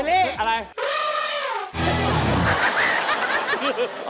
เวี่ยเล๊